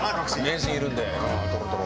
名人いるんでトロトロ。